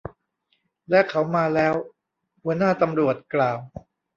และเขามาแล้ว หัวหน้าตำรวจกล่าว